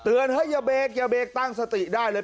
เตือนให้อย่าเบคตั้งสติได้เลย